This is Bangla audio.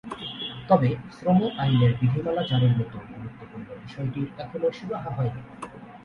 তবে শ্রম আইনের বিধিমালা জারির মতো গুরুত্বপূর্ণ বিষয়টির এখনো সুরাহা হয়নি।